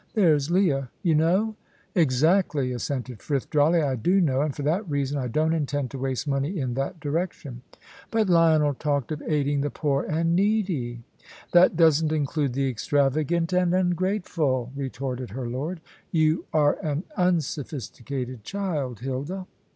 There's Leah, you know " "Exactly," assented Frith, dryly. "I do know, and for that reason I don't intend to waste money in that direction." "But Lionel talked of aiding the poor and needy." "That doesn't include the extravagant and ungrateful," retorted her lord. "You are an unsophisticated child, Hilda."